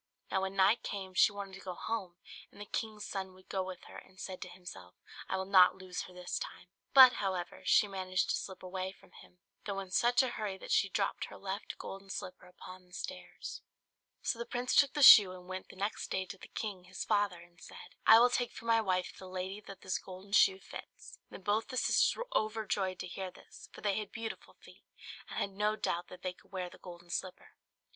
Now when night came she wanted to go home; and the king's son would go with her, and said to himself, "I will not lose her this time;" but, however, she managed to slip away from him, though in such a hurry that she dropped her left golden slipper upon the stairs. [Illustration: "SHE SPRANG AWAY FROM HIM, ALL AT ONCE, INTO THE GARDEN BEHIND HER FATHER'S HOUSE."] So the prince took the shoe, and went the next day to the king his father, and said, "I will take for my wife the lady that this golden shoe fits." Then both the sisters were overjoyed to hear this; for they had beautiful feet, and had no doubt that they could wear the golden slipper.